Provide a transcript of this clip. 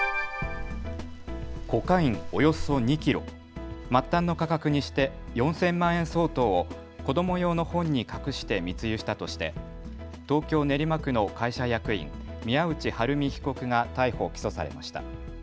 コカインおよそ２キロ、末端の価格にして４０００万円相当を子ども用の本に隠して密輸したとして東京練馬区の会社役員、宮内春美被告が逮捕・起訴されました。